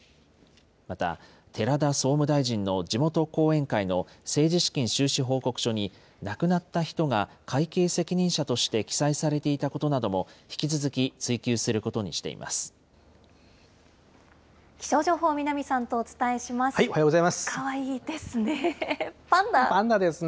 また、寺田総務大臣の地元後援会の政治資金収支報告書に、亡くなった人が会計責任者として記載されていたことなども、引き気象情報、おはようございます。